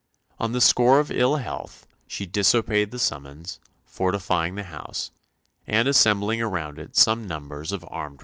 On the score of ill health she disobeyed the summons, fortifying the house, and assembling around it some numbers of armed retainers.